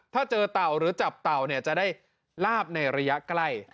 ถ้าเจอเต่าหรือจับเต่าเนี่ยจะได้ลาบในระยะใกล้